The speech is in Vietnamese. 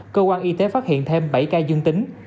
cơ quan y tế phát hiện thêm bảy ca dương tính